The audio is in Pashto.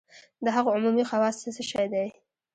د هغو عمومي خواص څه شی دي؟